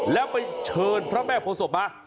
แล้วไปเชิญพระแม่โภษบมา